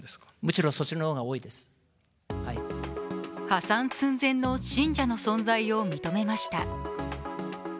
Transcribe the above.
破産寸前の信者の存在を認めました。